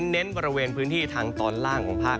เน้นบริเวณพื้นที่ทางตอนล่างของภาค